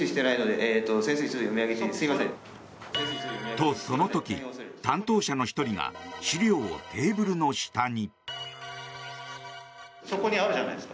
と、その時、担当者の１人が資料をテーブルの下に。